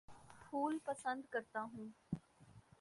پھول پسند کرتا ہوں